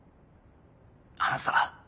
あのさ。